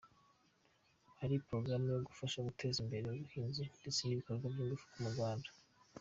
Hari porogaramu yo gufasha guteza imbere ubuhinzi ndetse n’ibikorwa by’ingufu mu Rwanda.